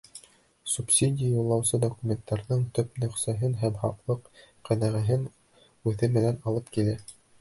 Субсидия юллаусы документтарҙың төп нөсхәһен һәм һаҡлыҡ кенәгәһен үҙе менән алып килә.